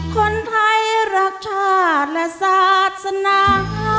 คนไทยรักชาติและศาสนา